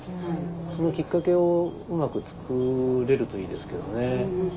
そのきっかけをうまく作れるといいですけどね。